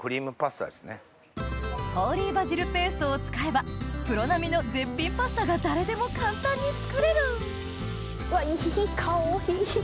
ホーリーバジルペーストを使えばプロ並みの絶品パスタが誰でも簡単に作れるうわっいい香り。